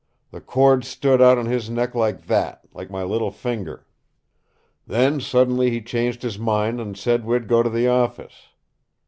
The cords stood out on his neck like that like my little finger. "Then suddenly he changed his mind and said we'd go to the office.